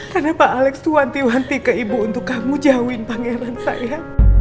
karena pak alex itu wanti wanti ke ibu untuk kamu jauhin pangeran saya